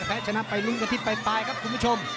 แพ้ชนะไปลึงกระทิตไปตายครับคุณผู้ชม